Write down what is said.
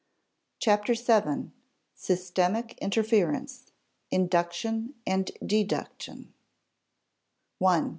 CHAPTER SEVEN SYSTEMATIC INFERENCE: INDUCTION AND DEDUCTION § 1.